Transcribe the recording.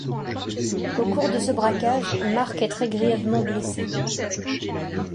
Au cours de ce braquage, Marc est très grièvement blessé.